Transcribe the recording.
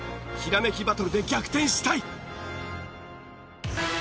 ひらめきバトルで逆転したい！